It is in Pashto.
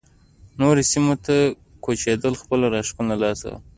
نورو سیمو ته کوچېدو خپل راښکون له لاسه ورکړ